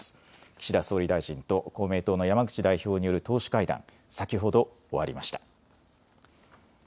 岸田総理大臣と公明党の山口代表による党首会談、先ほど終わりました。